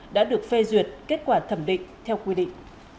đã được phê duyệt kết quả thẩm định theo quy định